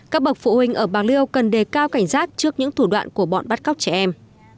các bậc phụ huynh ở bạc liêu cần đề cao cảnh giác trước những thủ đoạn của bọn bắt cóc trẻ em